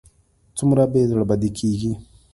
څومره به زړه بدی کېږي.